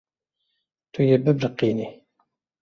Tu yê bibiriqînî.